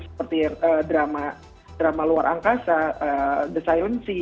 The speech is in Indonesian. seperti drama luar angkasa the silency